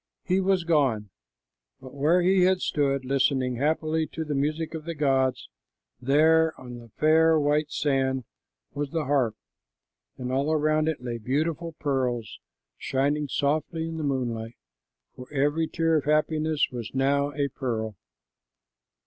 He was gone, but where he had stood listening happily to the music of the gods, there on the fair white sand was the harp, and all around it lay beautiful pearls, shining softly in the moonlight, for every tear of happiness was now a pearl.